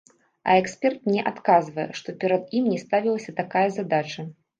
А эксперт мне адказвае, што перад ім не ставілася такая задача.